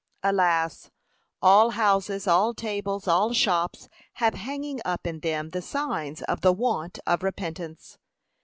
Alas! all houses, all tables, all shops, have hanging up in them the sign of the want of repentance.